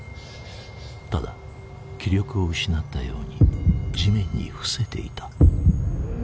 ただ気力を失ったように地面に伏せていた。